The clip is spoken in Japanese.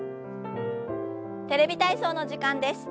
「テレビ体操」の時間です。